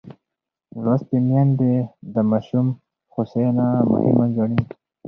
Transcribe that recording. لوستې میندې د ماشوم هوساینه مهمه ګڼي.